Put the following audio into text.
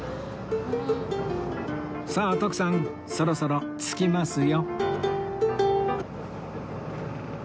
さあ徳さんそろそろ着きますよ